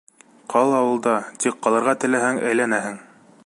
Ҡал ауылда, тик ҡалырға теләһәң, әйләнәһең!